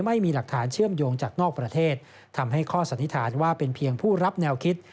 ไม่มีหลักฐานเชื่อมโยงจากนอกประเทศทำให้ข้อสันนิษฐานว่าเป็นเพียงผู้รับแนวคิด